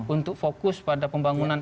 untuk fokus pada pembangunan